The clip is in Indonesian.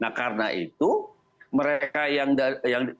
nah karena itu mereka yang menentukan itu gitu